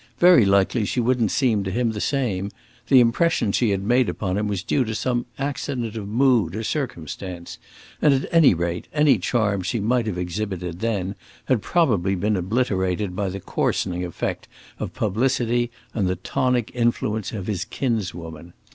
Very likely she wouldn't seem to him the same; the impression she had made upon him was due to some accident of mood or circumstance; and, at any rate, any charm she might have exhibited then had probably been obliterated by the coarsening effect of publicity and the tonic influence of his kinswoman.